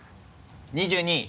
２２位！